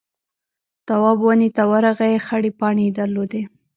تواب ونې ته ورغئ خړې پاڼې يې درلودې.